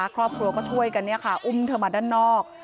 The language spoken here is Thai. ครอบครัวก็ช่วยกันอุ้มเธอมาด้านนอก